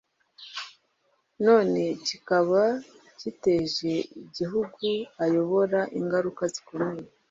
none kikaba giteje igihugu ayobora ingaruka zikomeye